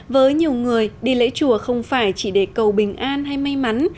với nhiều người đi lễ chùa không phải chỉ để cầu bình an hay may mắn